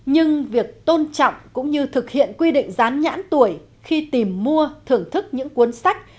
nhưng việc tôn trọng cũng như thực hiện quy định dán nhãn tuổi khi tìm mua thưởng thức những cuốn sách